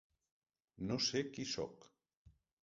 "No sé qui sóc.